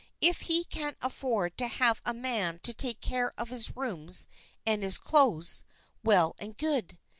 If he can afford to have a man to take care of his rooms and his clothes, well and good.